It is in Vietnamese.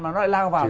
mà nó lại lao vào